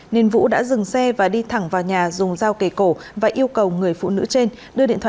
nên vũ đã dừng xe và đi thẳng vào nhà dùng dao kề cổ và yêu cầu người phụ nữ trên đưa điện thoại